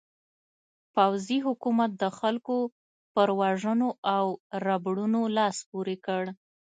پوځي حکومت د خلکو پر وژنو او ربړونو لاس پورې کړ.